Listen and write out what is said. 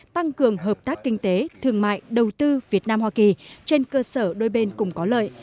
tăng cường hợp tác kinh tế thương mại đầu tư việt nam hoa kỳ trên cơ sở đôi bên cùng có lợi